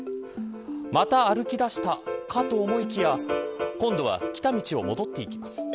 また歩き出したかと思いきや今度は来た道を戻っていきます。